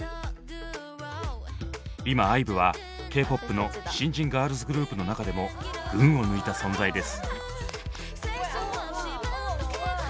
今ＩＶＥはＫーＰＯＰの新人ガールズグループの中でも群を抜いた存在です。